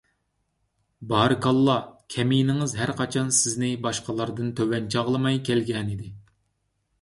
بارىكاللاھ! كەمىنىڭىز ھەرقاچان سىزنى باشقىلاردىن تۆۋەن چاغلىماي كەلگەنىدى.